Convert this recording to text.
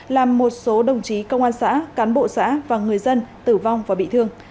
làm một số đồng chí công an xã cán bộ xã và người dân tử vong và bị thương